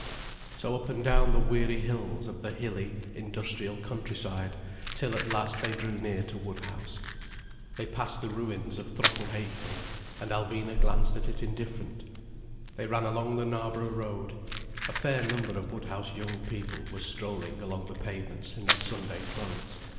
So up and down the weary hills of the hilly, industrial countryside, till at last they drew near to Woodhouse. They passed the ruins of Throttle Ha'penny, and Alvina glanced at it indifferent. They ran along the Knarborough Road. A fair number of Woodhouse young people were strolling along the pavements in their Sunday clothes.